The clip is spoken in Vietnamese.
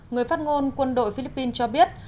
người phát ngôn quân đội philippines cho biết